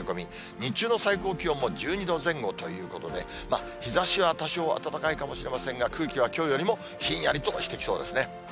日中の最高気温も１２度前後ということで、日ざしは多少暖かいかもしれませんが、空気はきょうよりもひんやりとしてきそうですね。